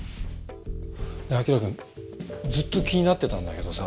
ねえ輝くんずっと気になってたんだけどさ